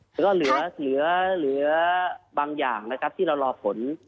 แล้วก็เหลือบางอย่างนะครับที่เรารอผล